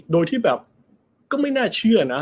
โดยที่แบบก็ไม่น่าเชื่อนะ